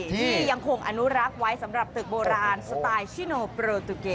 ที่ยังคงอนุรักษ์ไว้สำหรับตึกโบราณสไตล์ชิโนโปรตุเก